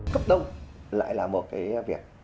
cấp đông lại là một cái việc